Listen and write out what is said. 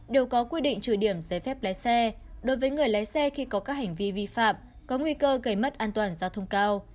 đều có quy định trừ điểm giấy phép lái xe đối với người lái xe khi có các hành vi vi phạm có nguy cơ gây mất an toàn giao thông cao